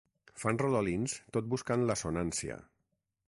Fan rodolins tot buscant l'assonància.